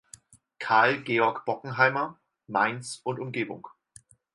Karl Georg Bockenheimer: "Mainz und Umgebung.